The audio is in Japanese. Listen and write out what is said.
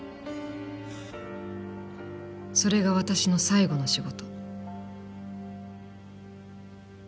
それが私の最後の仕事。